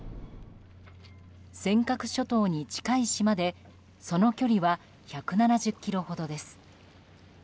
尖閣諸島に近い島でその距離は１７０ｋｍほどです。